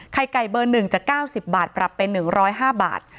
ไข่ไก่เบอร์๑จาก๙๐บาทปรับเป็น๑๐๕บาท